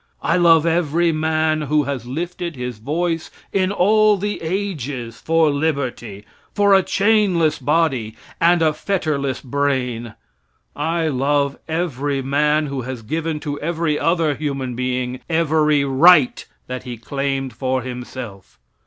I love every man who has lifted his voice in all the ages for liberty, for a chainless body, and a fetterless brain. I love every man who has given to every other human being every right that he claimed for himself.